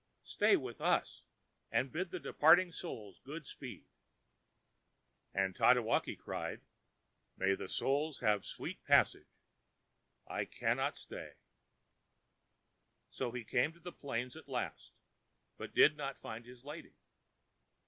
Stay with us and bid the departing Souls good speed.ã And Tatewaki cried, ãMay the Souls have sweet passage.... I cannot stay.ã So he came to the plains at last, but did not find his lady.